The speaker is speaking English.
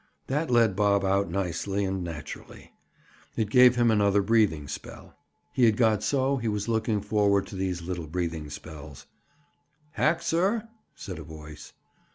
That let Bob out nicely and naturally. It gave him another breathing spell. He had got so he was looking forward to these little breathing spells. "Hack, sir?" said a voice.